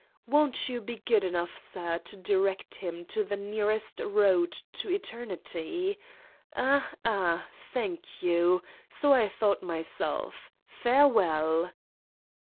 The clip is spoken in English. Won't you be good enough, sir, to direct him to the near est road to Eternity? Ah, Ah! Thank you. So I thought myself. Farewell